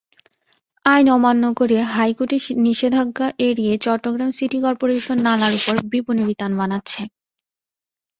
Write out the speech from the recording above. আইন অমান্য করে, হাইকোর্টের নিষেধাজ্ঞা এড়িয়ে চট্টগ্রাম সিটি করপোরেশন নালার ওপর বিপণিবিতান বানাচ্ছে।